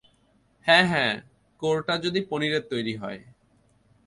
হ্যাঁ, হ্যাঁ, কোরটা যদি পনিরের তৈরী হয়?